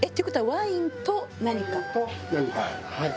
ワインと何かはい。